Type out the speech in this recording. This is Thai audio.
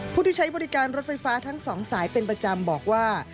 ผู้ที่ใช้บริการรถไฟฟ้าทั้งสองสายเป็นประจำบอกว่า